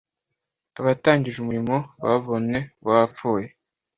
abatangije umurimo babonye wapfuye